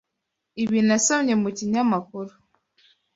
Ibi nasomye mu kinyamakuru.